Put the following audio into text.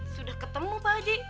sudah ketemu pak haji